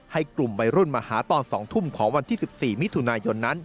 ให้กลุ่มวัยรุ่นมาหาตอน๒ทุ่มของวันที่๑๔มิถุนายนนั้น